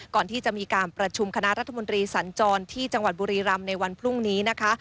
ก่อนที่จะมีการประชุมคณะรัฐมนตรีสัญจรที่จังหวัดบุรีรำในวันพรุ่งนี้นะคะ